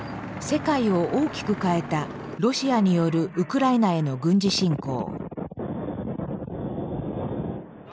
世界を大きく変えたロシアによるウクライナへの軍事侵攻。